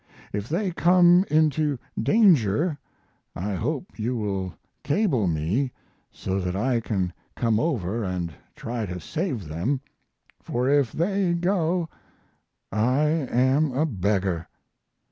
If they come into danger I hope you will cable me so that I can come over & try to save them, for if they go I am a beggar.